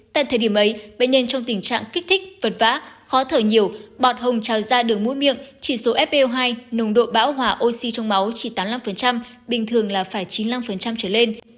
tại thời điểm ấy bệnh nhân trong tình trạng kích thích vật vã khó thở nhiều bọt hồng trào ra đường mũi miệng chỉ số fo hai nồng độ bão hỏa oxy trong máu chỉ tám mươi năm bình thường là phải chín mươi năm trở lên